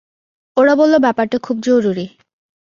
ওরা বললো, ব্যাপারটা খুব জরুরি।